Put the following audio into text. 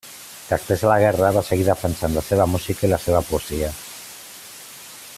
Després de la guerra va seguir defensant la seva música i la seva poesia.